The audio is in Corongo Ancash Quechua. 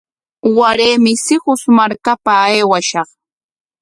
Waraymi Sihus markapa aywashaq.